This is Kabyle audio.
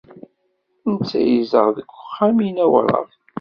Netta yezdeɣ deg uxxam-inna awraɣ.